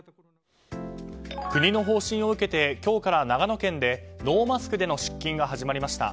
国の方針を受けて今日から長野県でノーマスクでの出勤が始まりました。